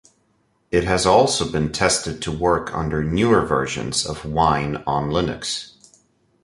It has also been tested to work under newer versions of Wine on Linux.